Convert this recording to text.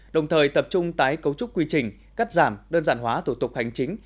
đồng thời tập trung tái cấu trúc quy trình cắt giảm đơn giản hóa thủ tục hành chính